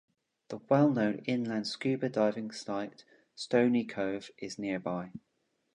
The well-known inland scuba diving site Stoney Cove is nearby.